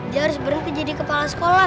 dia harus berhenti jadi kepala sekolah